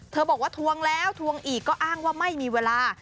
บอกว่าทวงแล้วทวงอีกก็อ้างว่าไม่มีเวลา